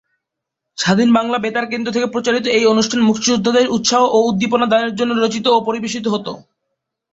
স্বাধীন বাংলা বেতার কেন্দ্র থেকে প্রচারিত এই অনুষ্ঠান মুক্তিযোদ্ধাদের উৎসাহ ও উদ্দীপনা দানের জন্য রচিত ও পরিবেশিত হতো।